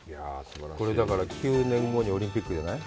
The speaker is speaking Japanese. これだから、９年後にオリンピックじゃない？